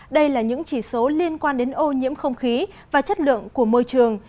đây là những chỉ số liên quan đến ô nhiễm không khí và chất lượng của môi trường